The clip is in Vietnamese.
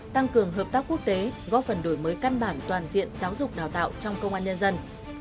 tăng cường hợp tác quốc tế góp phần đổi mới căn bản toàn diện giáo dục đào tạo trong công an nhân dân